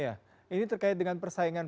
ya ini terkait dengan persaingan